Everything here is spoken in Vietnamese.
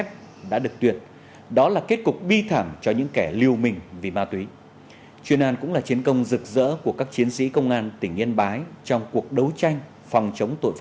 mà đi theo một con đường hoàn toàn mới